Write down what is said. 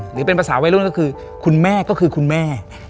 หรือเป็นภาษาวัยรุ่นก็คือคุณแม่ก็คือคุณแม่